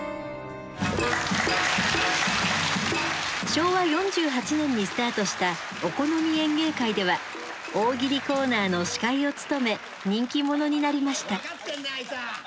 昭和４８年にスタートした「お好み演芸会」では大喜利コーナーの司会を務め人気者になりました。